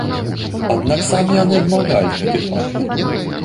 Аднак самі яны адмаўляюць гэты факт.